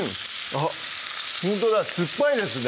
あっほんとだ酸っぱいですね